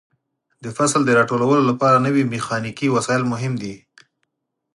د فصل د راټولولو لپاره نوې میخانیکي وسایل مهم دي.